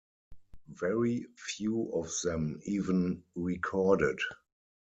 Very few of them even recorded.